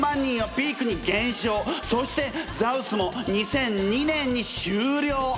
そしてＳＳＡＷＳも２００２年に終了！